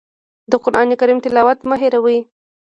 د قرآن کریم تلاوت مه هېروئ.